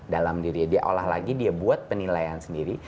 dalam dirinya dia olah lagi dia buat penilaian sendiri